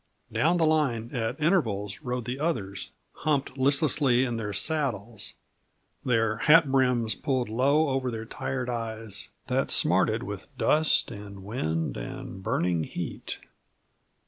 Down the line at intervals rode the others, humped listlessly in their saddles, their hat brims pulled low over tired eyes that smarted with dust and wind and burning heat.